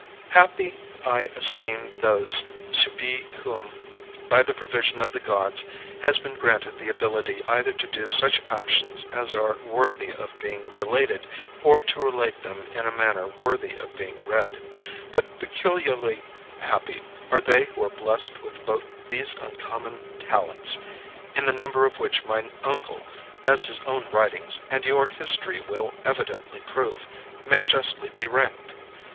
Happy I esteem those to be to whom by the provision of the gods has been granted the ability either to do such actions as are worthy of being related or to relate them in a manner worthy of being read; but peculiarly happy are they who are blessed with both these uncommon talents, in the number of which my uncle, as his own writings and your history will evidently prove, may justly be ranked.